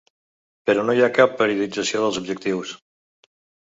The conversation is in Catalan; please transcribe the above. Però no hi ha cap periodització dels objectius.